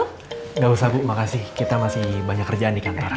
tidak usah bu makasih kita masih banyak kerjaan di kantor